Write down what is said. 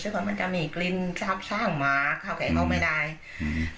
ถูกว่ามันจะมีกลิ้นช้าบช้าของหมาข้าวแกะเข้าไม่ได้อืม